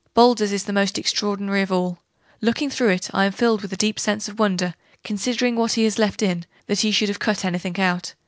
Bowdler's is the most extraordinary of all: looking through it, I am filled with a deep sense of wonder, considering what he has left in, that he should have cut anything out!